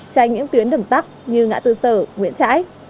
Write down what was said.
tránh những tuyến đường tắc như ngã tư sở nguyễn trãi